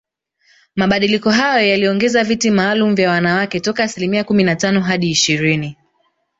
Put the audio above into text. Mabadiliko hayo yaliongeza viti maalum vya wanawake toka asilimia kumi na tano hadi ishirini